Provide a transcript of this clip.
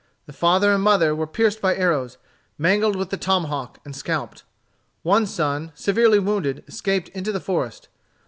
The father and mother were pierced by arrows, mangled with the tomahawk, and scalped. One son, severely wounded, escaped into the forest.